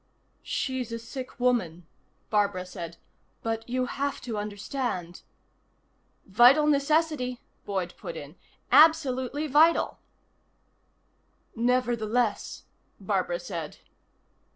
"She's a sick woman," Barbara said. "But you have to understand " "Vital necessity," Boyd put in. "Absolutely vital." "Nevertheless " Barbara said.